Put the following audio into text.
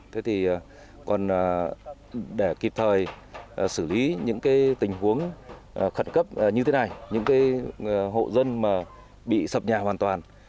thế thì còn để kịp thời xử lý những tình huống khẩn cấp như thế này những hộ dân mà bị sập nhà hoàn toàn